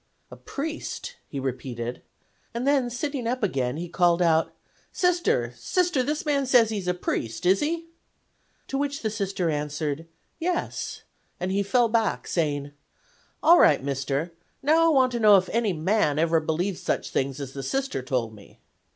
"'A priest,' he repeated, and then, sitting up again, he called out: 'Sister, Sister, this man says he's a priest; is he?' "To which the Sister answered, 'Yes,' and he fell back saying, 'All right, Mister, now I want to know if any man ever believed such things as the Sister told me.